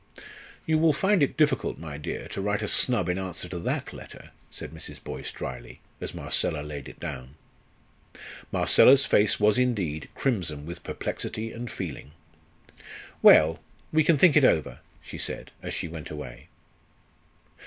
"You will find it difficult, my dear, to write a snub in answer to that letter," said Mrs. Boyce, drily, as Marcella laid it down. Marcella's face was, indeed, crimson with perplexity and feeling. "Well, we can think it over," she said as she went away.